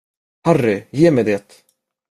Harry, ge mig det!